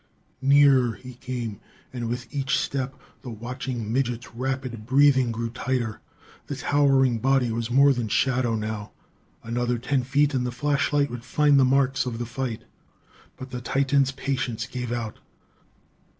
Nearer he came, and with each step the watching midget's rapid breathing grew tighter. The towering body was more than shadow now. Another ten feet and the flashlight would find the marks of the fight. But the titan's patience gave out.